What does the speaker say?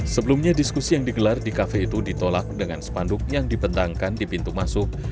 sebelumnya diskusi yang digelar di kafe itu ditolak dengan spanduk yang dipentangkan di pintu masuk